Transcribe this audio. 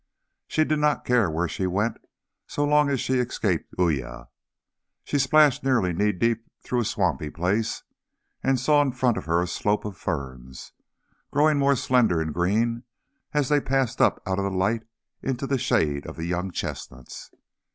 She did not care where she went so long as she escaped Uya. She splashed nearly knee deep through a swampy place, and saw in front of her a slope of ferns growing more slender and green as they passed up out of the light into the shade of the young chestnuts.